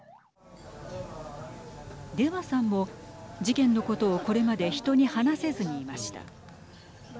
デワさんも事件のことをこれまで人に話せずにいました。